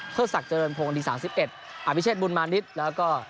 เฮอร์ศักดิ์เจริญโพงนาที๓๑อภิเชษฐ์บุญมานิดแล้วก็